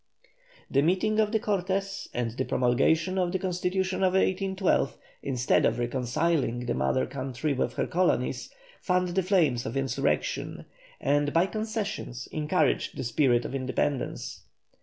The meeting of the Cortes and the promulgation of the Constitution of 1812, instead of reconciling the mother country with her colonies, fanned the flames of insurrection, and by concessions encouraged the spirit of independence.